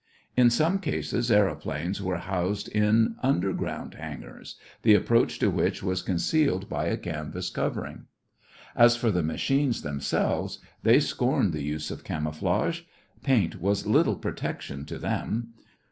In some cases, aëroplanes were housed in underground hangars, the approach to which was concealed by a canvas covering. As for the machines themselves, they scorned the use of camouflage. Paint was little protection to them.